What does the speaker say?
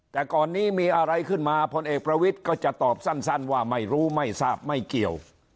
แต่ก่อนนี้มีอะไรขึ้นมาพลเอกประวิทย์ก็จะตอบสั้นว่าไม่รู้ไม่ทราบไม่เกี่ยว